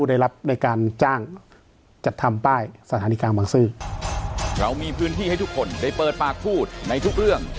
ได้รับในการจ้างจัดทำป้ายสถานีกลางบางซื่อเรามีพื้นที่ให้ทุกคนได้เปิดปากพูดในทุกเรื่อง